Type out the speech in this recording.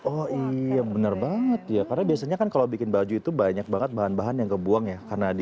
oh iya bener banget ya karena biasanya kan kalau bikin baju itu banyak banget bahan bahan yang kebuang ya karena di